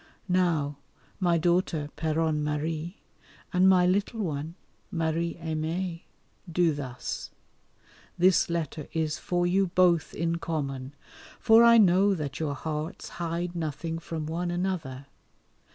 Now, my daughter (Péronne Marie), and my little one (Marie Aimée), do thus; this letter is for you both in common, for I know that your hearts hide nothing from one another.